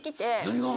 何が？